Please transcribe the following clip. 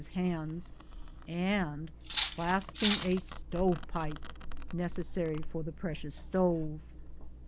27 Lis Iiands ; and clasping a stove pipe, necessary for the precious stove.